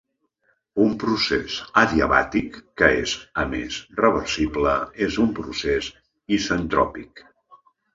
Un procés adiabàtic que és, a més, reversible, és un procés isentròpic.